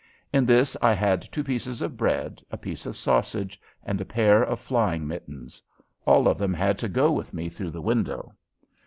In this I had two pieces of bread, a piece of sausage, and a pair of flying mittens. All of them had to go with me through the window.